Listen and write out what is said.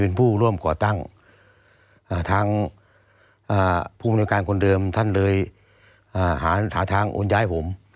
ยาท่าน้ำขาวไทยนครเพราะทุกการเดินทางของคุณจะมีแต่รอยยิ้ม